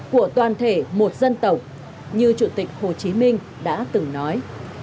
của toàn thể một dân tộc như chủ tịch hồ chí minh đã từng nói